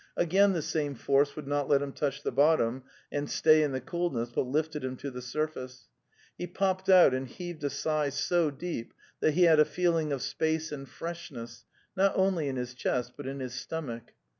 Again the same force would not let him touch the bottom and stay in the cool ness, but lifted him to the surface. He popped out and heaved a sigh so deep that he had a feeling of space and freshness, not only in his chest, but in his stomach.